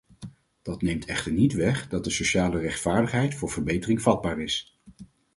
Dat neemt echter niet weg dat de sociale rechtvaardigheid voor verbetering vatbaar is.